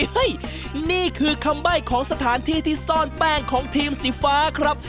นี่คือคำใบ้ของสถานที่ที่ซ่อนแป้งของทีมสีฟ้าครับ